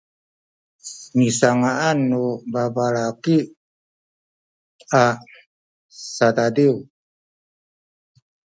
nisanga’an nu babalaki a sadadiw